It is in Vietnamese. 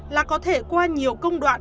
là có thể qua nhiều công đoạn